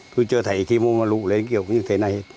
tôi chưa thấy khi mua lũ lên kiểu như thế này